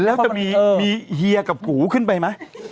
แล้วจะมีเฮียกับกูขึ้นไปไหม